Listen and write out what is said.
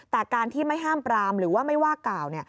แต่การที่ไม่ห้ามปรามหรือว่าไม่ว่ากล่าว